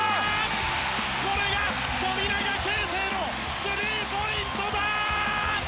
これが富永啓生のスリーポイントだ！